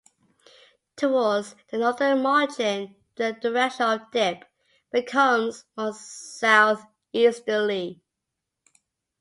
Towards the northern margin the direction of dip becomes more southeasterly.